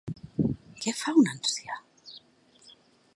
Què fa un ancià?